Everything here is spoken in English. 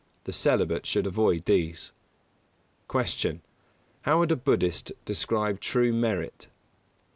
The celibate should avoid these. 158. Q. _How would a Buddhist describe true merit?